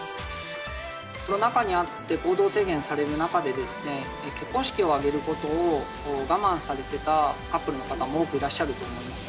コロナ禍にあって、行動制限される中でですね、結婚式を挙げることを我慢されていたカップルの方も多くいらっしゃると思います。